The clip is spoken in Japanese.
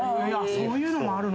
そういうのもあるの？